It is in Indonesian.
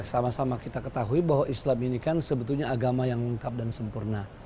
sama sama kita ketahui bahwa islam ini kan sebetulnya agama yang lengkap dan sempurna